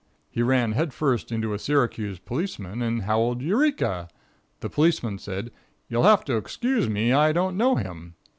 He ran head first into a Syracuse policeman and howled "Eureka!" The policeman said: "You'll have to excuse me; I don't know him."